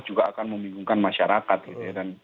juga akan membingungkan masyarakat gitu ya